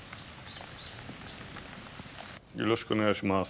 よろしくお願いします。